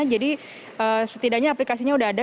jadi setidaknya aplikasinya sudah ada